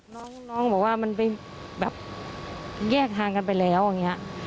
น้องบอกว่ามันไปแบบแยกทางกันไปแล้วอย่างนี้